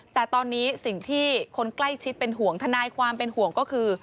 แต่ตอนนี้สิ่งที่คนใกล้ชิดเป็นห่วงทนายความเป็นห่วงก็คือ